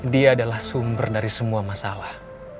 dia adalah sumber dari semua masalah